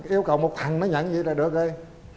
yêu cầu một thằng nó nhận gì là được rồi